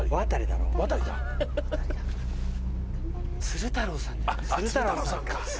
鶴太郎さんか！